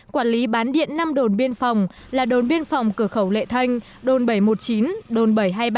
quản lý bán điện năm đồn biên phòng là đồn biên phòng cửa khẩu lệ thanh đồn bảy trăm một mươi chín đồn bảy trăm hai mươi ba